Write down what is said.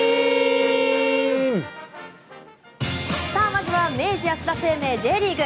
まずは明治安田生命Ｊリーグ。